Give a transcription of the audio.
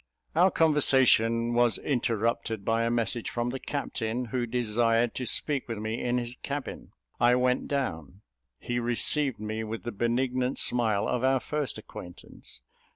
Our conversation was interrupted by a message from the captain, who desired to speak with me in his cabin. I went down; he received me with the benignant smile of our first acquaintance.